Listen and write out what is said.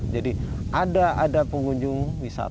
jadi ada ada penggunanya